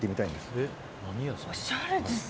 おしゃれですね。